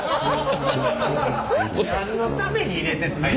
何のためにいれてたんや。